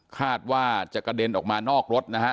คาดว่าจะกระเด็นออกมานอกรถนะฮะ